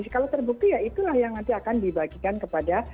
kalau terbukti ya itulah yang nanti akan dibagikan kepada